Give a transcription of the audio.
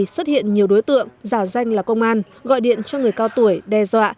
xuất hiện nhiều đối tượng giả danh là công an gọi điện cho người cao tuổi đe dọa